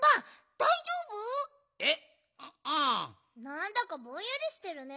なんだかぼんやりしてるね。